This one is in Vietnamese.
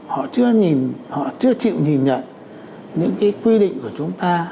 họ chưa chịu nhìn nhận những quy định của chúng ta